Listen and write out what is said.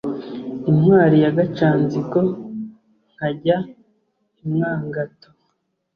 Intwari ya Gacanzigo nkajya i Mwangato.